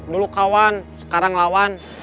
dulu kawan sekarang lawan